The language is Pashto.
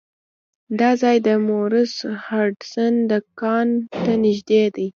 دا ځای د مورس هډسن دکان ته نږدې دی.